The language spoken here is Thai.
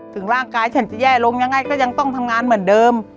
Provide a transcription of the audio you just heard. ถึงร่างกายฉันจะแย่ลงยังไงก็ยังต้องทำงานเหมือนเดิม